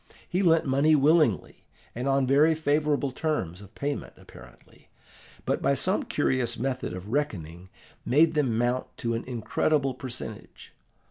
He lent money willingly, and on very favourable terms of payment apparently, but, by some curious method of reckoning, made them mount to an incredible percentage.